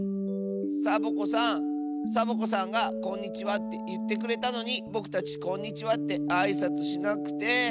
サボ子さんサボ子さんが「こんにちは」っていってくれたのにぼくたち「こんにちは」ってあいさつしなくて。